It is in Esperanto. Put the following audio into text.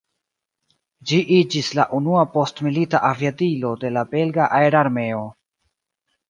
Ĝi iĝis la unua postmilita aviadilo de la belga aerarmeo.